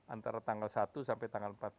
antara tanggal satu sampai tanggal empat belas